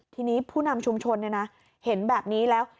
ทีนี้ผู้นำชุมชนเห็นแบบนี้แล้ว